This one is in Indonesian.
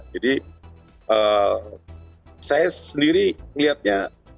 jadi saya sendiri melihatnya